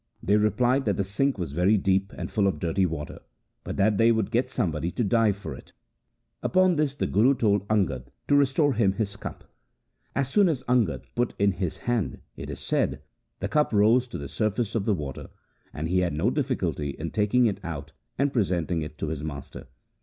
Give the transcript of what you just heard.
They replied that the sink was very deep and full of dirty water, but that they would get somebody to dive for it. Upon this the Guru told Angad to restore him his cup. As soon as Angad put in his hand, it is said, the cup rose to the sur face of the water, and he had no difficulty in taking it out and presenting it to his master.